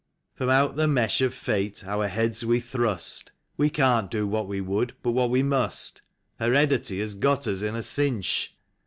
From out the mesh of fate our heads we thrust. We can't do what we would, but what we must. Heredity has got us in a cinch.